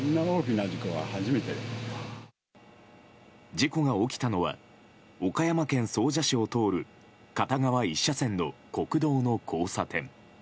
事故が起きたのは岡山県総社市を通る片側１車線の国道の交差点。